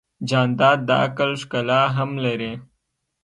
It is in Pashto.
جانداد د عقل ښکلا هم لري.